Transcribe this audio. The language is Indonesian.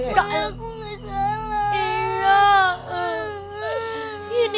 kak aku gak salah